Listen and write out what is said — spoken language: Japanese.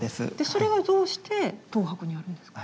それがどうして東博にあるんですか？